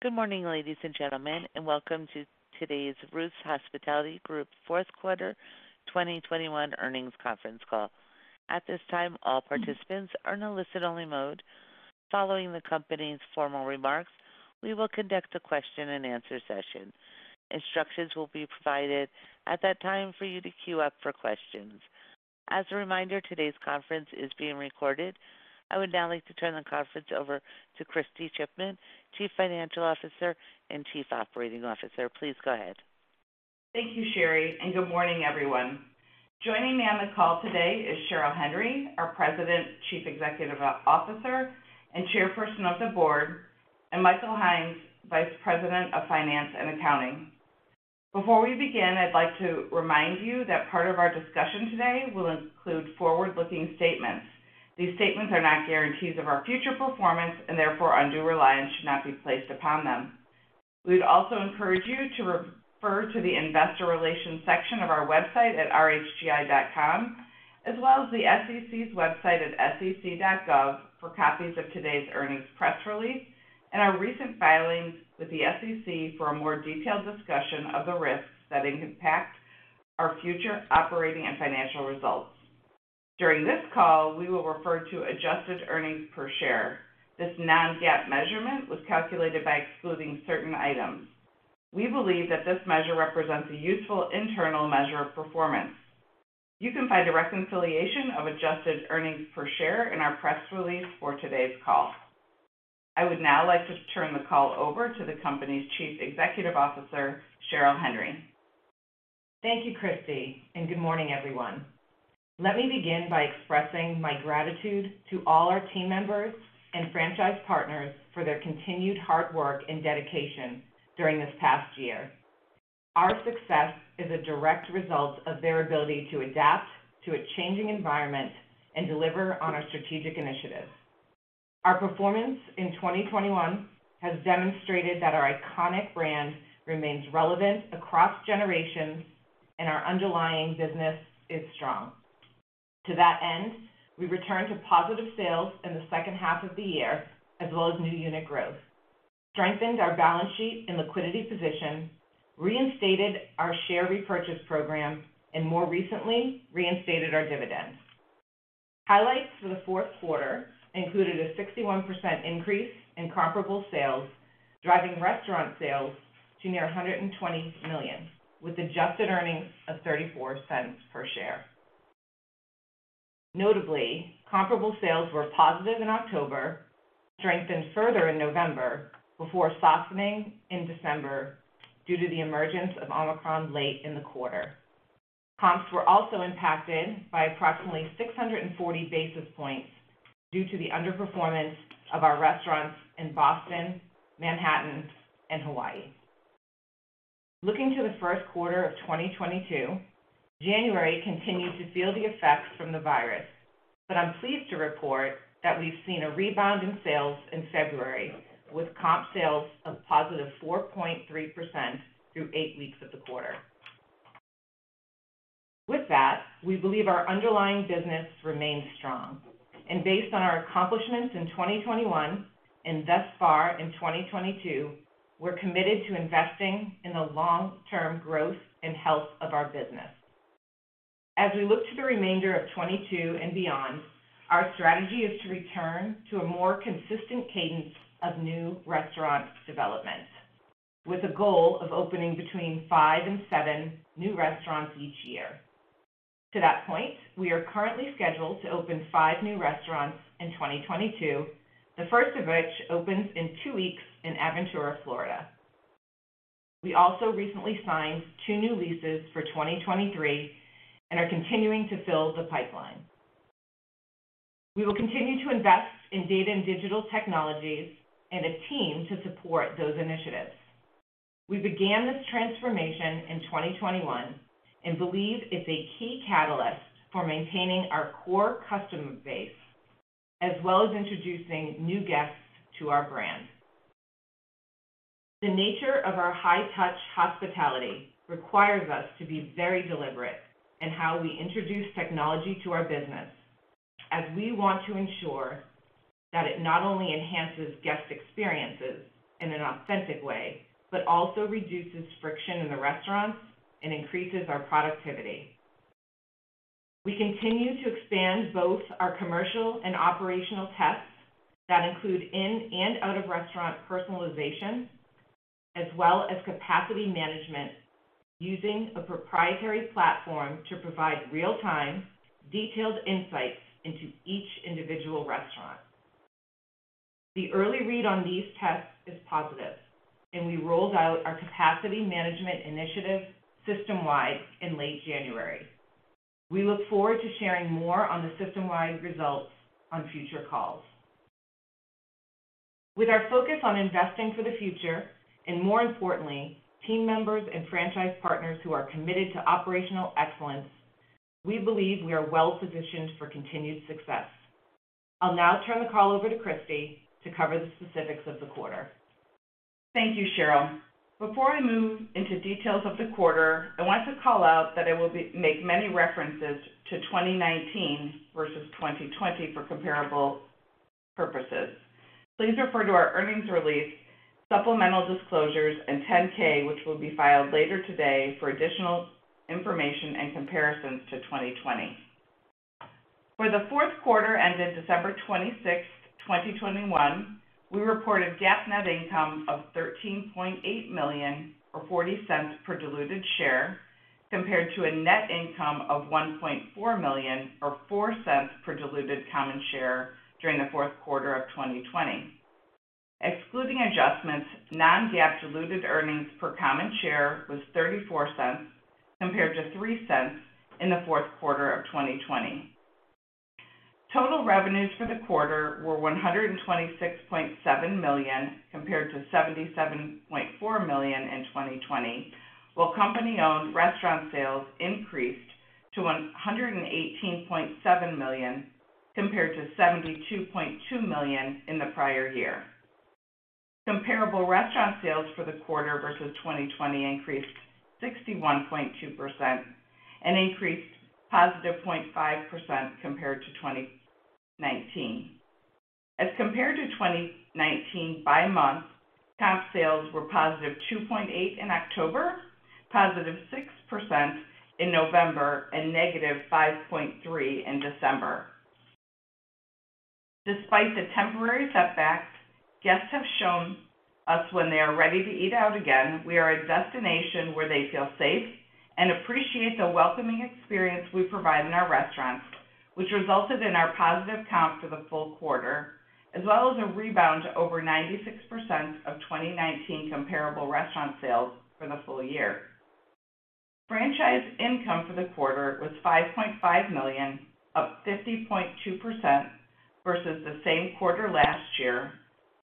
Good morning, ladies and gentlemen, and welcome to today's Ruth's Hospitality Group fourth quarter 2021 earnings conference call. At this time, all participants are in a listen-only mode. Following the company's formal remarks, we will conduct a question-and-answer session. Instructions will be provided at that time for you to queue up for questions. As a reminder, today's conference is being recorded. I would now like to turn the conference over to Kristy Chipman, Chief Financial Officer and Chief Operating Officer. Please go ahead. Thank you, Sherry, and good morning, everyone. Joining me on the call today is Cheryl Henry, our President, Chief Executive Officer, and Chairperson of the Board, and Michael Hynes, Vice President of Finance and Accounting. Before we begin, I'd like to remind you that part of our discussion today will include forward-looking statements. These statements are not guarantees of our future performance, and therefore, undue reliance should not be placed upon them. We'd also encourage you to refer to the investor relations section of our website at rhgi.com, as well as the SEC's website at sec.gov for copies of today's earnings press release and our recent filings with the SEC for a more detailed discussion of the risks that impact our future operating and financial results. During this call, we will refer to adjusted earnings per share. This non-GAAP measurement was calculated by excluding certain items. We believe that this measure represents a useful internal measure of performance. You can find a reconciliation of adjusted earnings per share in our press release for today's call. I would now like to turn the call over to the company's Chief Executive Officer, Cheryl Henry. Thank you, Kristy, and good morning, everyone. Let me begin by expressing my gratitude to all our team members and franchise partners for their continued hard work and dedication during this past year. Our success is a direct result of their ability to adapt to a changing environment and deliver on our strategic initiatives. Our performance in 2021 has demonstrated that our iconic brand remains relevant across generations, and our underlying business is strong. To that end, we returned to positive sales in the second half of the year, as well as new unit growth, strengthened our balance sheet and liquidity position, reinstated our share repurchase program, and more recently, reinstated our dividends. Highlights for the fourth quarter included a 61% increase in comparable sales, driving restaurant sales to near $120 million, with adjusted earnings of $0.34 per share. Notably, comparable sales were positive in October, strengthened further in November, before softening in December due to the emergence of Omicron late in the quarter. Comps were also impacted by approximately 640 basis points due to the underperformance of our restaurants in Boston, Manhattan, and Hawaii. Looking to the first quarter of 2022, January continued to feel the effects from the virus, but I'm pleased to report that we've seen a rebound in sales in February, with comp sales of +4.3% through 8 weeks of the quarter. With that, we believe our underlying business remains strong, and based on our accomplishments in 2021 and thus far in 2022, we're committed to investing in the long-term growth and health of our business. As we look to the remainder of 2022 and beyond, our strategy is to return to a more consistent cadence of new restaurant development, with a goal of opening between 5 and 7 new restaurants each year. To that point, we are currently scheduled to open 5 new restaurants in 2022, the first of which opens in 2 weeks in Aventura, Florida. We also recently signed 2 new leases for 2023 and are continuing to fill the pipeline. We will continue to invest in data and digital technologies and a team to support those initiatives. We began this transformation in 2021 and believe it's a key catalyst for maintaining our core customer base, as well as introducing new guests to our brand. The nature of our high-touch hospitality requires us to be very deliberate in how we introduce technology to our business, as we want to ensure that it not only enhances guest experiences in an authentic way, but also reduces friction in the restaurants and increases our productivity. We continue to expand both our commercial and operational tests that include in and out-of-restaurant personalization, as well as capacity management using a proprietary platform to provide real-time, detailed insights into each individual restaurant. The early read on these tests is positive, and we rolled out our capacity management initiative system-wide in late January. We look forward to sharing more on the system-wide results on future calls. With our focus on investing for the future, and more importantly, team members and franchise partners who are committed to operational excellence, we believe we are well-positioned for continued success. I'll now turn the call over to Kristy to cover the specifics of the quarter. Thank you, Cheryl. Before I move into details of the quarter, I want to call out that I will make many references to 2019 versus 2020 for comparable purposes. Please refer to our earnings release, supplemental disclosures, and 10-K, which will be filed later today for additional information and comparisons to 2020. For the fourth quarter ended December 26, 2021, we reported GAAP net income of $13.8 million, or $0.40 per diluted share, compared to a net income of $1.4 million, or $0.04 per diluted common share during the fourth quarter of 2020. Excluding adjustments, non-GAAP diluted earnings per common share was $0.34 compared to $0.03 in the fourth quarter of 2020. Total revenues for the quarter were $126.7 million compared to $77.4 million in 2020, while company-owned restaurant sales increased to $118.7 million compared to $72.2 million in the prior year. Comparable restaurant sales for the quarter versus 2020 increased 61.2% and increased +0.5% compared to 2019. As compared to 2019 by month, comp sales were +2.8% in October, +6% in November, and -5.3% in December. Despite the temporary setbacks, guests have shown us when they are ready to eat out again, we are a destination where they feel safe and appreciate the welcoming experience we provide in our restaurants, which resulted in our positive comp for the full quarter, as well as a rebound to over 96% of 2019 comparable restaurant sales for the full year. Franchise income for the quarter was $5.5 million, up 50.2% versus the same quarter last year,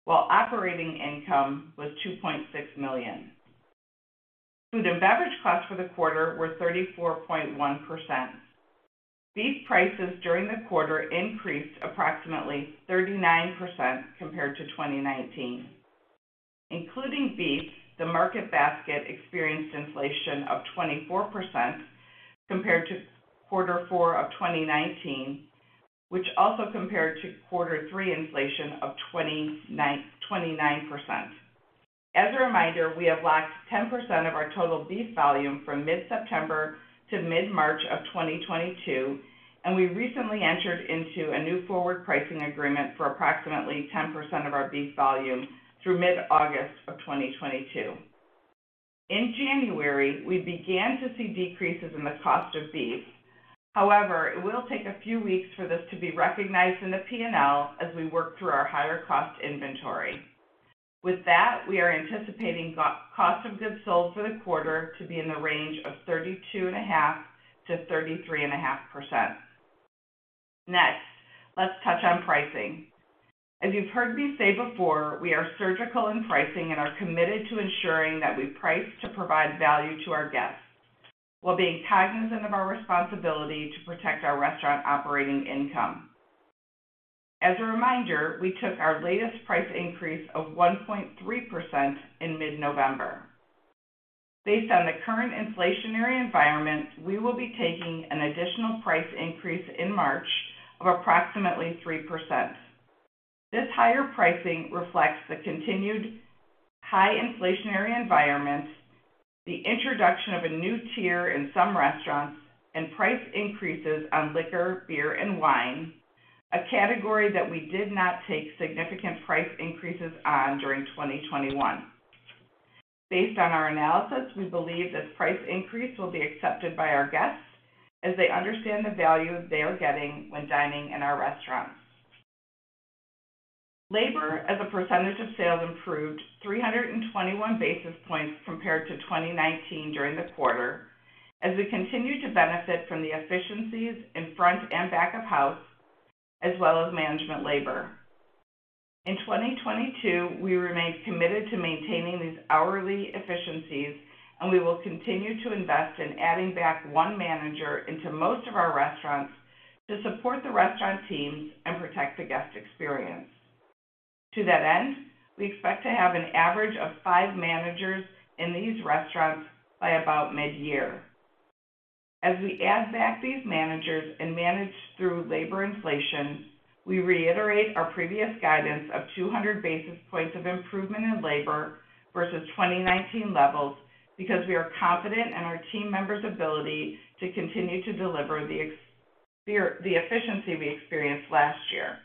while operating income was $2.6 million. Food and beverage costs for the quarter were 34.1%. Beef prices during the quarter increased approximately 39% compared to 2019. Including beef, the market basket experienced inflation of 24% compared to quarter four of 2019, which also compared to quarter three inflation of 29%. As a reminder, we have locked 10% of our total beef volume from mid-September to mid-March of 2022, and we recently entered into a new forward pricing agreement for approximately 10% of our beef volume through mid-August of 2022. In January, we began to see decreases in the cost of beef. However, it will take a few weeks for this to be recognized in the P&L as we work through our higher cost inventory. With that, we are anticipating our cost of goods sold for the quarter to be in the range of 32.5%-33.5%. Next, let's touch on pricing. As you've heard me say before, we are surgical in pricing and are committed to ensuring that we price to provide value to our guests while being cognizant of our responsibility to protect our restaurant operating income. As a reminder, we took our latest price increase of 1.3% in mid-November. Based on the current inflationary environment, we will be taking an additional price increase in March of approximately 3%. This higher pricing reflects the continued high inflationary environment, the introduction of a new tier in some restaurants, and price increases on liquor, beer, and wine, a category that we did not take significant price increases on during 2021. Based on our analysis, we believe this price increase will be accepted by our guests as they understand the value they are getting when dining in our restaurants. Labor as a percentage of sales improved 321 basis points compared to 2019 during the quarter as we continue to benefit from the efficiencies in front and back of house, as well as management labor. In 2022, we remain committed to maintaining these hourly efficiencies, and we will continue to invest in adding back one manager into most of our restaurants to support the restaurant teams and protect the guest experience. To that end, we expect to have an average of five managers in these restaurants by about mid-year. As we add back these managers and manage through labor inflation, we reiterate our previous guidance of 200 basis points of improvement in labor versus 2019 levels because we are confident in our team members' ability to continue to deliver the efficiency we experienced last year.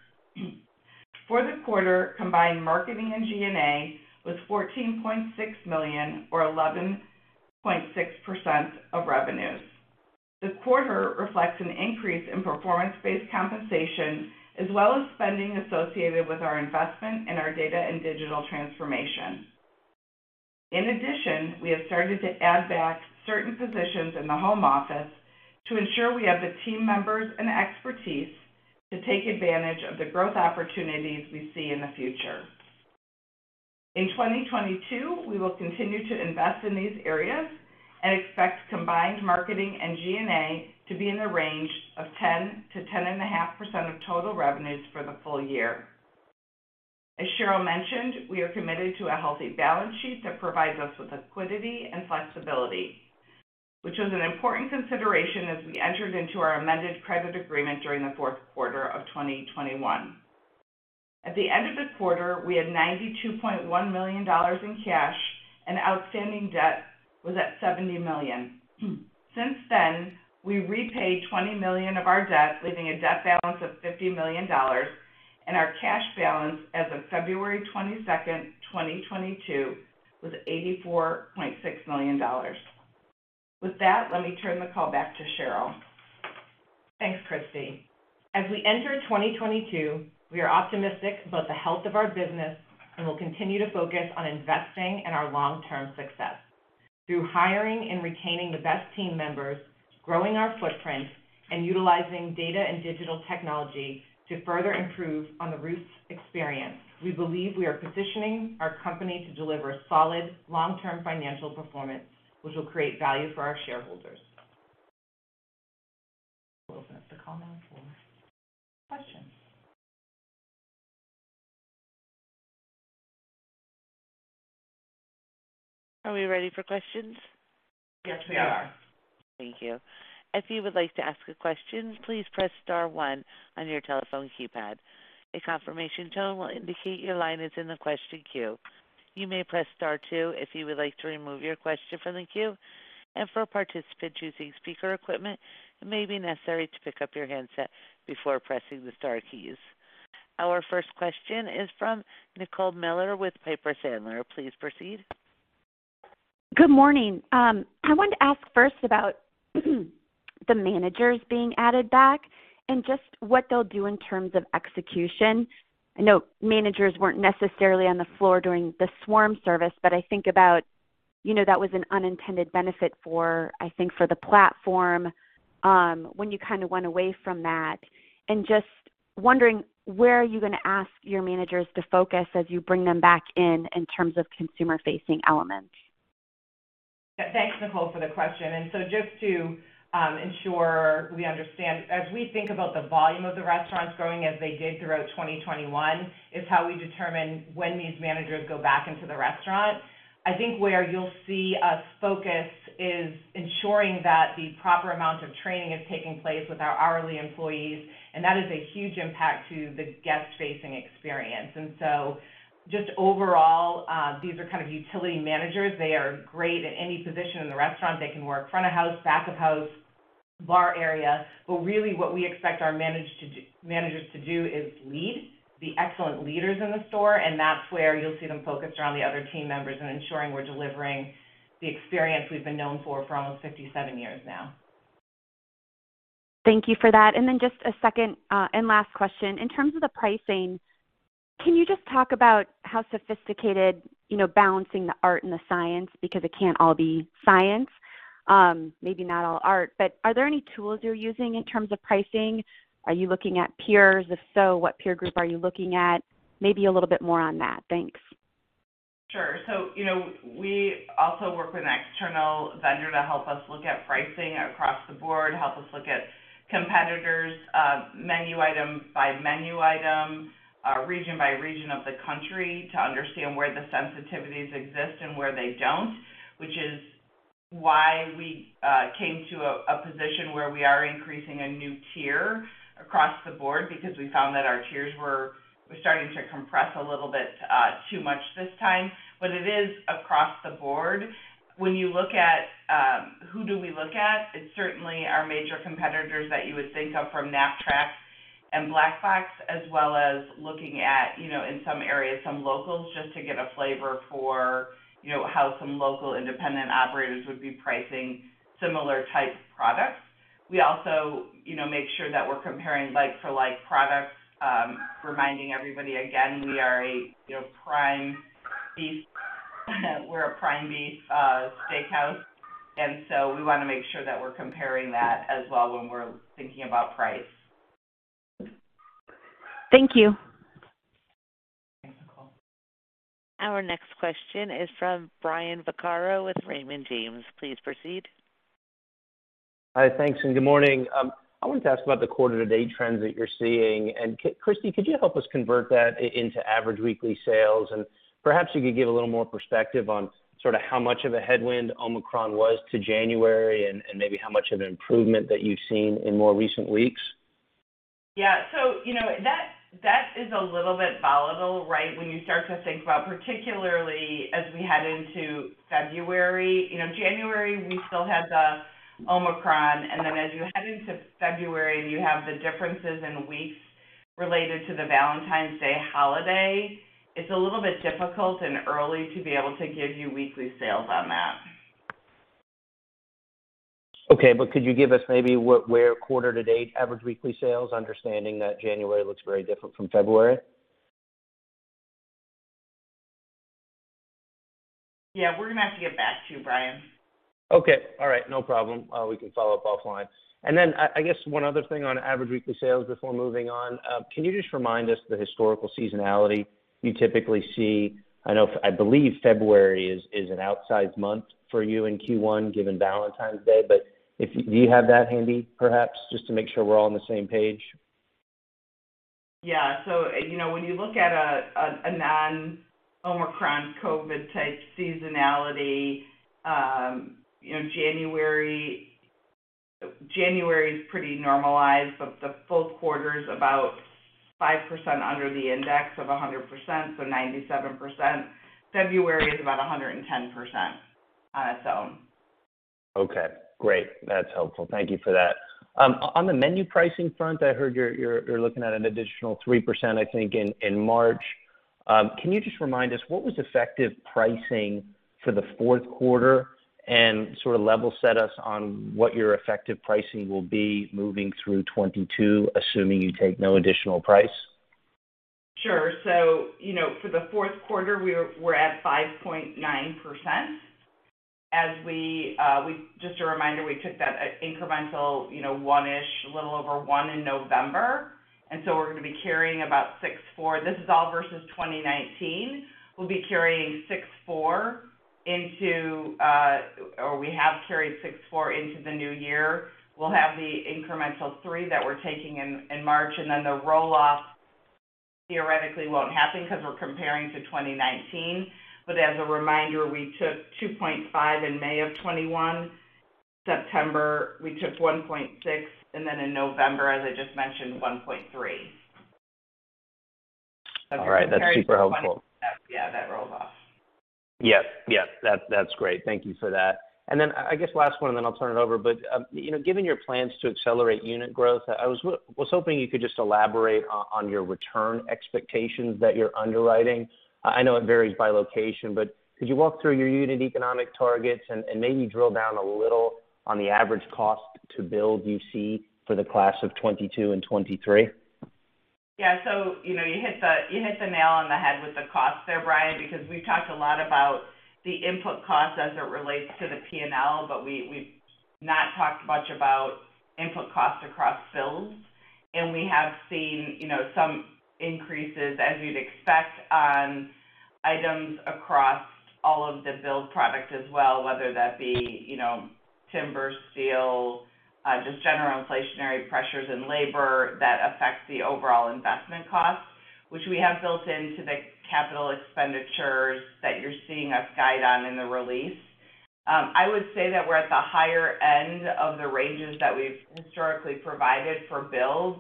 For the quarter, combined marketing and G&A was $14.6 million or 11.6% of revenues. The quarter reflects an increase in performance-based compensation as well as spending associated with our investment in our data and digital transformation. In addition, we have started to add back certain positions in the home office to ensure we have the team members and expertise to take advantage of the growth opportunities we see in the future. In 2022, we will continue to invest in these areas and expect combined marketing and G&A to be in the range of 10%-10.5% of total revenues for the full year. As Cheryl mentioned, we are committed to a healthy balance sheet that provides us with liquidity and flexibility, which was an important consideration as we entered into our amended credit agreement during the fourth quarter of 2021. At the end of the quarter, we had $92.1 million in cash and outstanding debt was at $70 million. Since then, we repaid $20 million of our debt, leaving a debt balance of $50 million. Our cash balance as of February 22, 2022, was $84.6 million. With that, let me turn the call back to Cheryl. Thanks, Kristy. As we enter 2022, we are optimistic about the health of our business and will continue to focus on investing in our long-term success. Through hiring and retaining the best team members, growing our footprint, and utilizing data and digital technology to further improve on the Ruth's experience, we believe we are positioning our company to deliver solid, long-term financial performance which will create value for our shareholders. We'll open up the call now for questions. Are we ready for questions? Yes, we are. Yes. Thank you. If you would like to ask a question, please press star one on your telephone keypad. A confirmation tone will indicate your line is in the question queue. You may press star two if you would like to remove your question from the queue. For a participant choosing speaker equipment, it may be necessary to pick up your handset before pressing the star keys. Our first question is from Nicole Miller with Piper Sandler. Please proceed. Good morning. I wanted to ask first about the managers being added back and just what they'll do in terms of execution. I know managers weren't necessarily on the floor during the swarm service, but I think about, you know, that was an unintended benefit for, I think, for the platform, when you kind of went away from that. Just wondering, where are you gonna ask your managers to focus as you bring them back in in terms of consumer-facing elements? Yeah. Thanks, Nicole, for the question. Just to ensure we understand, as we think about the volume of the restaurants growing as they did throughout 2021, is how we determine when these managers go back into the restaurant. I think where you'll see us focus is ensuring that the proper amount of training is taking place with our hourly employees, and that is a huge impact to the guest-facing experience. Just overall, these are kind of utility managers. They are great at any position in the restaurant. They can work front of house, back of house, bar area. Really what we expect our managers to do is lead, be excellent leaders in the store, and that's where you'll see them focused around the other team members and ensuring we're delivering the experience we've been known for for almost 57 years now. Thank you for that. Just a second, and last question. In terms of the pricing, can you just talk about how sophisticated, you know, balancing the art and the science because it can't all be science, maybe not all art, but are there any tools you're using in terms of pricing? Are you looking at peers? If so, what peer group are you looking at? Maybe a little bit more on that. Thanks. Sure. You know, we also work with an external vendor to help us look at pricing across the board, help us look at competitors, menu item by menu item, region by region of the country to understand where the sensitivities exist and where they don't, which is why we came to a position where we are increasing a new tier across the board because we found that our tiers were starting to compress a little bit too much this time. But it is across the board. When you look at who do we look at, it's certainly our major competitors that you would think of from KNAPP-TRACK and Black Box, as well as looking at in some areas, some locals, just to get a flavor for how some local independent operators would be pricing similar type products. We also, you know, make sure that we're comparing like for like products, reminding everybody again, you know, we're a prime beef steakhouse, and so we wanna make sure that we're comparing that as well when we're thinking about price. Thank you. Thanks, Nicole. Our next question is from Brian Vaccaro with Raymond James. Please proceed. Hi. Thanks, and good morning. I wanted to ask about the quarter to date trends that you're seeing. Kristy, could you help us convert that into average weekly sales? Perhaps you could give a little more perspective on sort of how much of a headwind Omicron was to January, and maybe how much of an improvement that you've seen in more recent weeks. Yeah. You know, that is a little bit volatile, right? When you start to think about particularly as we head into February. You know, January, we still had the Omicron. Then as you head into February and you have the differences in weeks related to the Valentine's Day holiday, it's a little bit difficult and early to be able to give you weekly sales on that. Okay, but could you give us maybe where quarter to date average weekly sales, understanding that January looks very different from February? Yeah. We're gonna have to get back to you, Brian. Okay. All right. No problem. We can follow up offline. I guess one other thing on average weekly sales before moving on. Can you just remind us the historical seasonality you typically see? I know I believe February is an outsized month for you in Q1, given Valentine's Day, but do you have that handy, perhaps, just to make sure we're all on the same page? You know, when you look at a non-Omicron COVID type seasonality, you know, January is pretty normalized, but the full quarter is about 5% under the index of 100%, so 97%. February is about 110%. Okay, great. That's helpful. Thank you for that. On the menu pricing front, I heard you're looking at an additional 3%, I think, in March. Can you just remind us what was effective pricing for the fourth quarter and sort of level set us on what your effective pricing will be moving through 2022, assuming you take no additional price? Sure. You know, for the fourth quarter, we're at 5.9%. As a reminder, we took that incremental, you know, 1-ish, a little over 1 in November. We're gonna be carrying about 6.4%. This is all versus 2019. We'll be carrying 6.4% into or we have carried 6.4% into the new year. We'll have the incremental 3 that we're taking in March, and then the roll-off theoretically won't happen because we're comparing to 2019. As a reminder, we took 2.5% in May of 2021. September, we took 1.6%, and then in November, as I just mentioned, 1.3%. All right. That's super helpful. Yeah, that rolls off. Yes. Yes. That's great. Thank you for that. Then I guess last one, then I'll turn it over. You know, given your plans to accelerate unit growth, I was hoping you could just elaborate on your return expectations that you're underwriting. I know it varies by location, but could you walk through your unit economic targets and maybe drill down a little on the average cost to build you see for the class of 2022 and 2023? Yeah. You know, you hit the nail on the head with the cost there, Brian, because we've talked a lot about the input cost as it relates to the P&L, but we've not talked much about input costs across builds. We have seen, you know, some increases, as you'd expect, on items across all of the build product as well, whether that be, you know, timber, steel, just general inflationary pressures in labor that affects the overall investment costs, which we have built into the capital expenditures that you're seeing us guide on in the release. I would say that we're at the higher end of the ranges that we've historically provided for builds,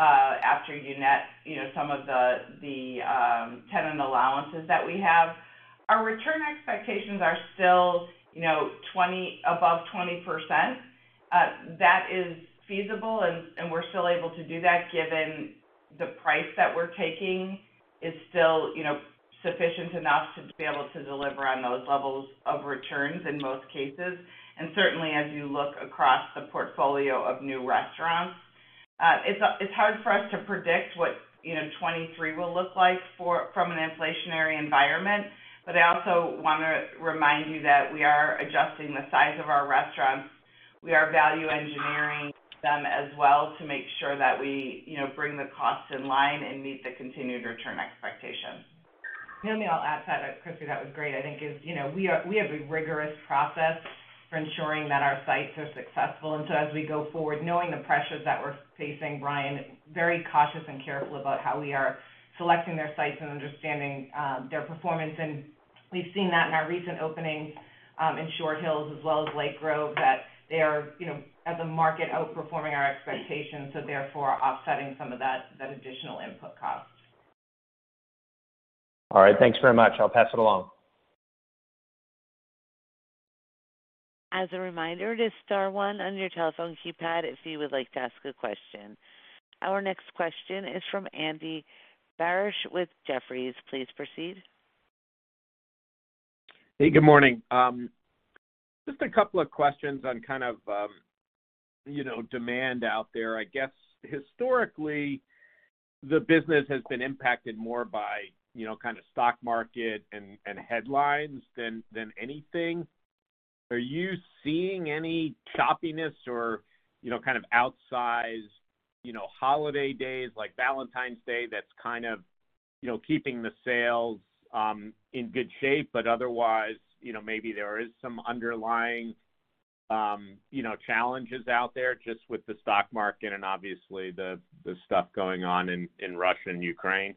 after you net, you know, some of the tenant allowances that we have. Our return expectations are still, you know, above 20%. That is feasible, and we're still able to do that given the price that we're taking is still, you know, sufficient enough to be able to deliver on those levels of returns in most cases, and certainly as you look across the portfolio of new restaurants. It's hard for us to predict what, you know, 2023 will look like from an inflationary environment. I also wanna remind you that we are adjusting the size of our restaurants. We are value engineering them as well to make sure that we, you know, bring the costs in line and meet the continued return expectations. Let me all add to that. Kristy, that was great. I think, you know, we have a rigorous process for ensuring that our sites are successful. As we go forward, knowing the pressures that we're facing, Brian, very cautious and careful about how we are selecting their sites and understanding their performance. We've seen that in our recent openings in Short Hills as well as Lake Grove, that they are, you know, as a market, outperforming our expectations, so therefore offsetting some of that additional input costs. All right. Thanks very much. I'll pass it along. As a reminder, it is star one on your telephone keypad if you would like to ask a question. Our next question is from Andy Barish with Jefferies. Please proceed. Hey, good morning. Just a couple of questions on kind of, you know, demand out there. I guess historically, the business has been impacted more by, you know, kind of stock market and headlines than anything. Are you seeing any choppiness or, you know, kind of outsized, you know, holiday days like Valentine's Day that's kind of, you know, keeping the sales in good shape, but otherwise, you know, maybe there is some underlying, you know, challenges out there just with the stock market and obviously the stuff going on in Russia and Ukraine? Yeah,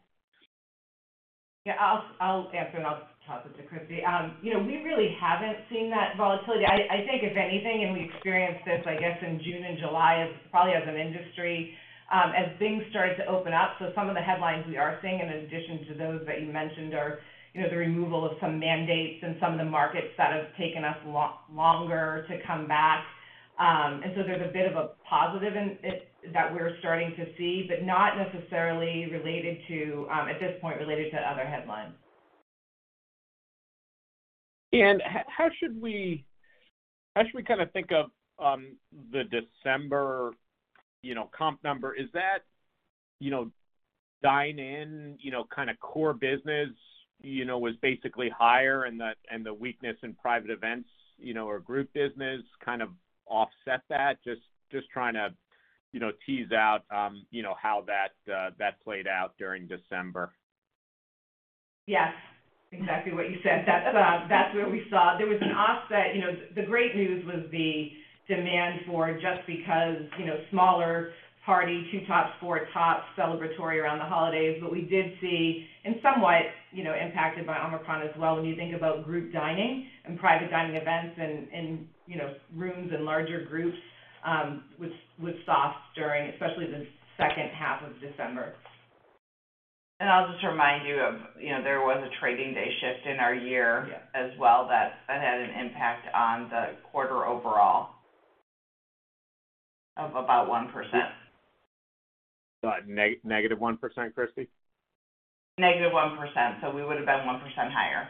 I'll answer it. I'll toss it to Kristy. You know, we really haven't seen that volatility. I think if anything, we experienced this, I guess, in June and July, is probably as an industry, as things started to open up. Some of the headlines we are seeing in addition to those that you mentioned are, you know, the removal of some mandates in some of the markets that have taken us longer to come back. There's a bit of a positive in it that we're starting to see, but not necessarily related to, at this point related to other headlines. How should we kinda think of the December, you know, comp number? Is that You know, dine in, you know, kind of core business, you know, was basically higher, and the weakness in private events, you know, or group business kind of offset that. Just trying to, you know, tease out, you know, how that played out during December. Yes. Exactly what you said. That's what we saw. There was an offset. You know, the great news was the demand for just because, you know, smaller party, 2 tops, 4 tops, celebratory around the holidays. What we did see, and somewhat, you know, impacted by Omicron as well, when you think about group dining and private dining events and, you know, rooms and larger groups, was soft during, especially the second half of December. I'll just remind you of, you know, there was a trading day shift in our year. Yeah as well that had an impact on the quarter overall of about 1%. Negative 1%, Kristy? -1%. We would have been 1% higher.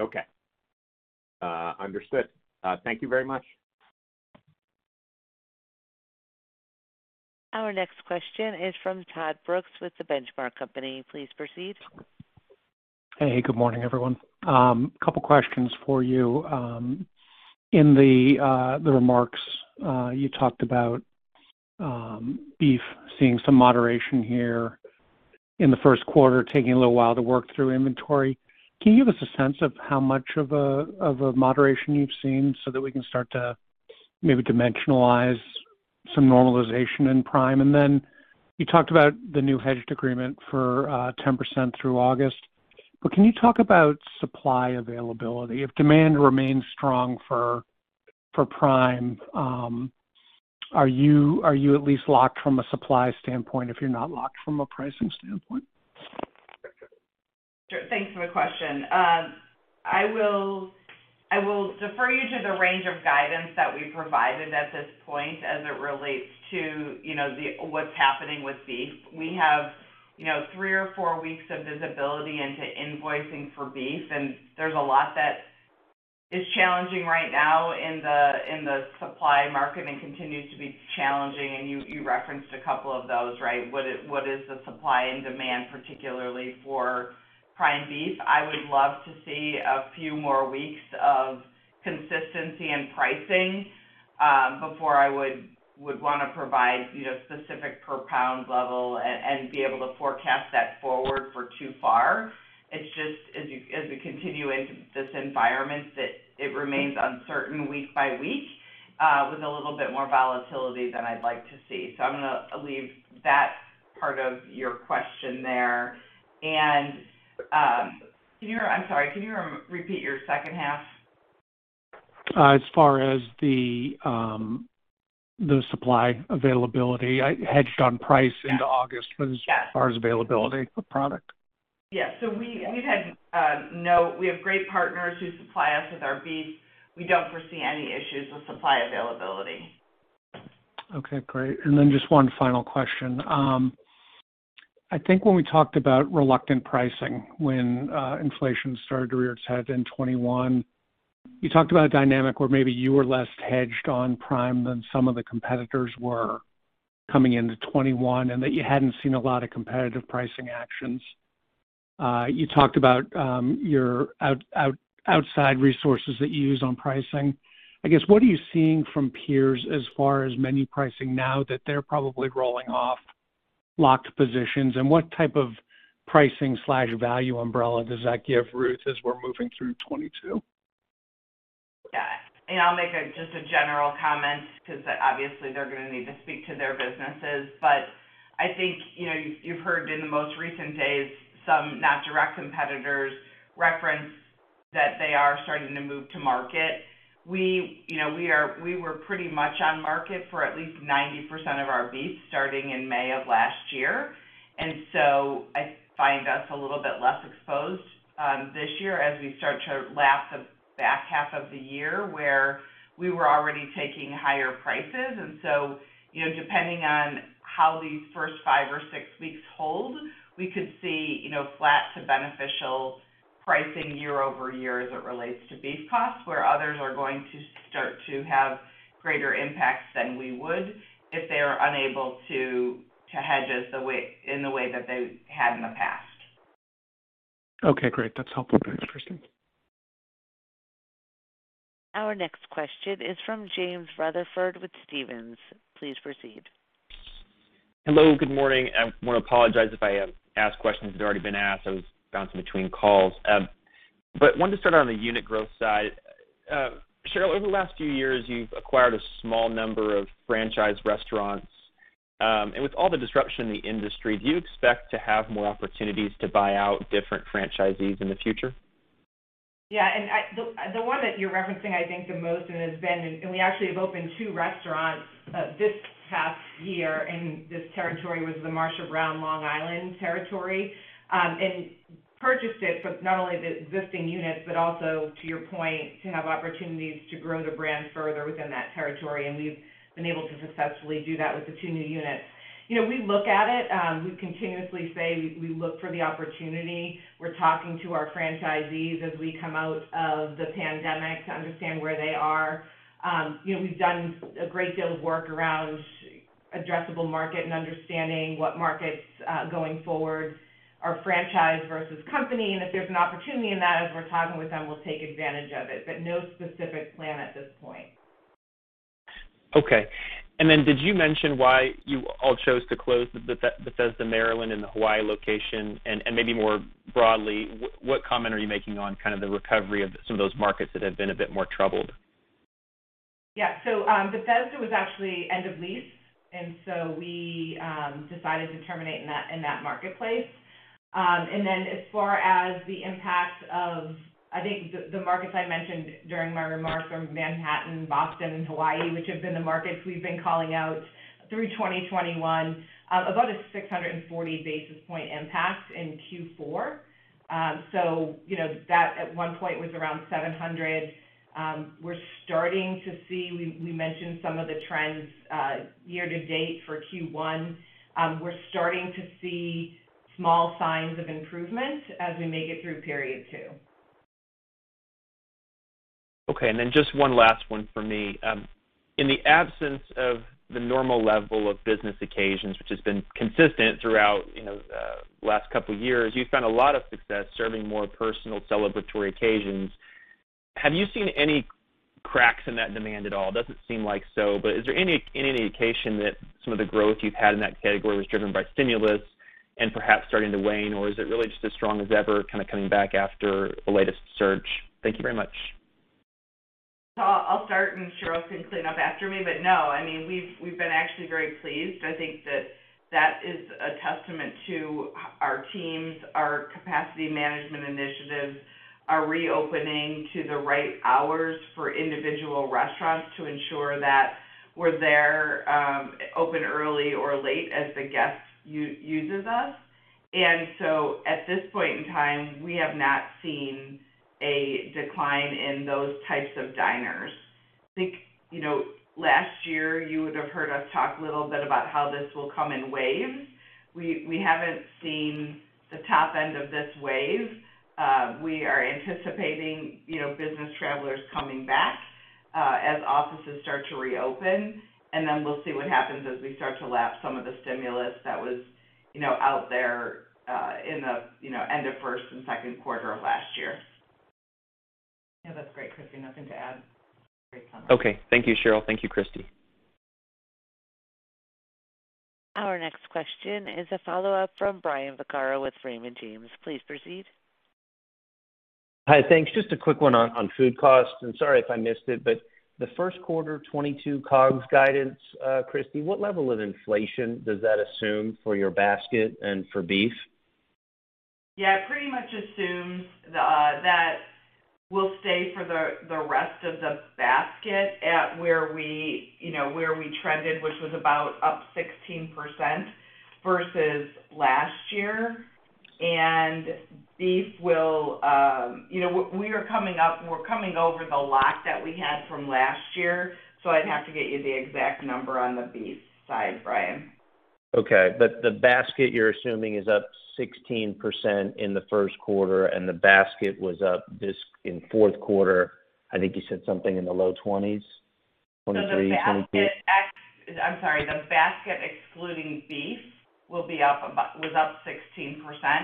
Okay. Understood. Thank you very much. Our next question is from Todd Brooks with The Benchmark Company. Please proceed. Hey, good morning, everyone. Couple questions for you. In the remarks, you talked about beef seeing some moderation here in the first quarter, taking a little while to work through inventory. Can you give us a sense of how much of a moderation you've seen so that we can start to maybe dimensionalize some normalization in Prime? You talked about the new hedged agreement for 10% through August, but can you talk about supply availability? If demand remains strong for Prime, are you at least locked from a supply standpoint if you're not locked from a pricing standpoint? Sure. Thanks for the question. I will refer you to the range of guidance that we provided at this point as it relates to, you know, what's happening with beef. We have, you know, three or four weeks of visibility into invoicing for beef, and there's a lot that is challenging right now in the supply market and continues to be challenging. You referenced a couple of those, right? What is the supply and demand, particularly for Prime beef? I would love to see a few more weeks of consistency in pricing before I would wanna provide, you know, specific per pound level and be able to forecast that forward for too far. It's just as we continue in this environment that it remains uncertain week by week, with a little bit more volatility than I'd like to see. I'm gonna leave that part of your question there. I'm sorry. Can you repeat your second half? As far as the supply availability. I hedged on price. Yeah. into August. Yeah. As far as availability of product. Yeah. Yeah. We have great partners who supply us with our beef. We don't foresee any issues with supply availability. Okay, great. Just one final question. I think when we talked about reluctant pricing when inflation started to rear its head in 2021, you talked about a dynamic where maybe you were less hedged on Prime than some of the competitors were coming into 2021, and that you hadn't seen a lot of competitive pricing actions. You talked about your outside resources that you use on pricing. I guess, what are you seeing from peers as far as menu pricing now that they're probably rolling off locked positions? What type of pricing/value umbrella does that give Ruth's as we're moving through 2022? Yeah. I'll make just a general comment because obviously they're gonna need to speak to their businesses. I think, you know, you've heard in the most recent days some not direct competitors reference that they are starting to move to market. You know, we were pretty much on market for at least 90% of our beef starting in May of last year. I find us a little bit less exposed this year as we start to lap the back half of the year where we were already taking higher prices. You know, depending on how these first five or six weeks hold, we could see, you know, flat to beneficial pricing year-over-year as it relates to beef costs, where others are going to start to have greater impacts than we would if they are unable to hedge in the way that they had in the past. Okay, great. That's helpful. Thanks, Kristy. Our next question is from James Rutherford with Stephens. Please proceed. Hello, good morning. I wanna apologize if I asked questions that have already been asked. I was bouncing between calls. Wanted to start on the unit growth side. Cheryl, over the last few years, you've acquired a small number of franchise restaurants. With all the disruption in the industry, do you expect to have more opportunities to buy out different franchisees in the future? Yeah. The one that you're referencing I think the most and has been, and we actually have opened 2 restaurants this past year in this territory was the Marsha Brown Long Island territory. We purchased it for not only the existing units, but also, to your point, to have opportunities to grow the brand further within that territory. We've been able to successfully do that with the 2 new units. You know, we look at it. We continuously say we look for the opportunity. We're talking to our franchisees as we come out of the pandemic to understand where they are. You know, we've done a great deal of work around Addressable market and understanding what markets, going forward are franchise versus company. If there's an opportunity in that as we're talking with them, we'll take advantage of it. No specific plan at this point. Okay. Did you mention why you all chose to close the Bethesda, Maryland and the Hawaii location? Maybe more broadly, what comment are you making on kind of the recovery of some of those markets that have been a bit more troubled? Yeah. Bethesda was actually end of lease, and so we decided to terminate in that marketplace. As far as the impact of, I think, the markets I mentioned during my remarks are Manhattan, Boston, and Hawaii, which have been the markets we've been calling out through 2021. About a 640 basis point impact in Q4. You know, that at one point was around 700. We're starting to see. We mentioned some of the trends year to date for Q1. We're starting to see small signs of improvement as we make it through period two. Okay. Just one last one for me. In the absence of the normal level of business occasions, which has been consistent throughout last couple years, you've found a lot of success serving more personal celebratory occasions. Have you seen any cracks in that demand at all? Doesn't seem like so, but is there any indication that some of the growth you've had in that category was driven by stimulus and perhaps starting to wane, or is it really just as strong as ever, kind of coming back after the latest surge? Thank you very much. I'll start, and Cheryl can clean up after me. No, I mean, we've been actually very pleased. I think that is a testament to our teams, our capacity management initiatives, our reopening to the right hours for individual restaurants to ensure that we're there, open early or late as the guest uses us. At this point in time, we have not seen a decline in those types of diners. I think, you know, last year you would have heard us talk a little bit about how this will come in waves. We haven't seen the top end of this wave. We are anticipating, you know, business travelers coming back, as offices start to reopen, and then we'll see what happens as we start to lap some of the stimulus that was, you know, out there, in the, you know, end of first and second quarter of last year. Yeah, that's great, Kristy. Nothing to add. Great comment. Okay. Thank you, Cheryl. Thank you, Kristy. Our next question is a follow-up from Brian Vaccaro with Raymond James. Please proceed. Hi. Thanks. Just a quick one on food costs. Sorry if I missed it, but the first quarter 2022 COGS guidance, Kristy, what level of inflation does that assume for your basket and for beef? Yeah, pretty much assumes that we'll stay for the rest of the basket at where we, you know, where we trended, which was about up 16% versus last year. Beef will. You know, we're coming over the lock that we had from last year, so I'd have to get you the exact number on the beef side, Brian. Okay. The basket you're assuming is up 16% in the first quarter, and the basket was up in fourth quarter, I think you said something in the low 20s, 23, 22? The basket excluding beef was up about 16%,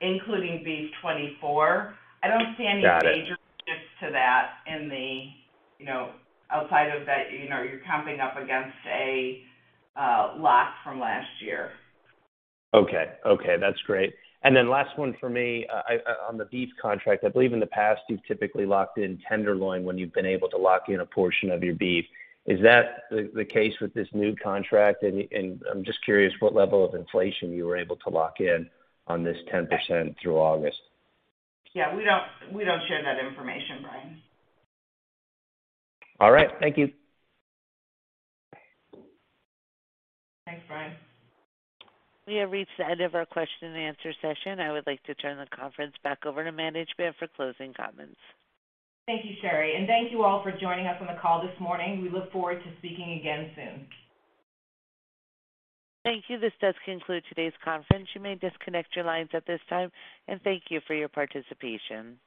including beef, 24%. Got it. I don't see any major shifts to that in the, you know, outside of that, you know. You're comping up against a lockdown from last year. Okay, that's great. Last one for me. On the beef contract, I believe in the past you've typically locked in tenderloin when you've been able to lock in a portion of your beef. Is that the case with this new contract? I'm just curious what level of inflation you were able to lock in on this 10% through August. Yeah. We don't share that information, Brian. All right. Thank you. Thanks, Brian. We have reached the end of our question and answer session. I would like to turn the conference back over to management for closing comments. Thank you, Sherry, and thank you all for joining us on the call this morning. We look forward to speaking again soon. Thank you. This does conclude today's conference. You may disconnect your lines at this time, and thank you for your participation.